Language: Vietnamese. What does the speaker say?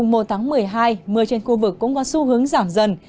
mưa trên khu vực cũng có xu hướng giảm dần